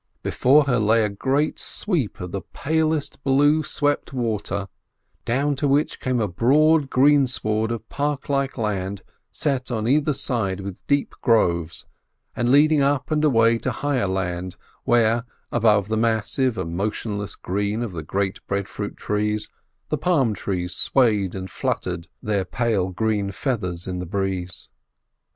Before her lay a great sweep of the palest blue wind swept water, down to which came a broad green sward of park like land set on either side with deep groves, and leading up and away to higher land, where, above the massive and motionless green of the great breadfruit trees, the palm trees swayed and fluttered their pale green feathers in the breeze.